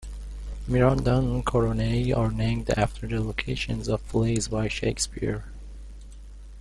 Mirandan coronae are named after the locations of plays by Shakespeare.